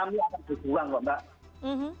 kami akan berjuang mbak